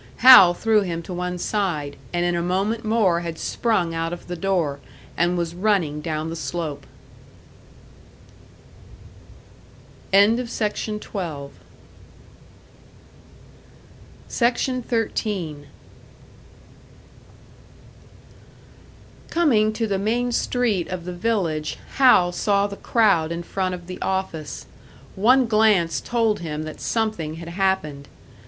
Hal threw him to one side, and in a moment more had sprung out of the door, and was running down the slope. SECTION 13. Coming to the main street of the village, Hal saw the crowd in front of the office. One glance told him that something had happened.